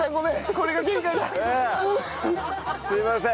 すいません。